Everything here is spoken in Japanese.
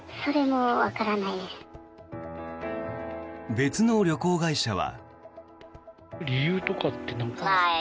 別の旅行会社は。